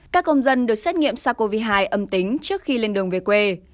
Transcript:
các công dân được xét nghiệm sars cov hai âm tính trước khi lên đường về quê